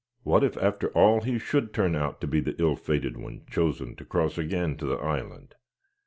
What if after all he should turn out to be the ill fated one chosen to cross again to the island?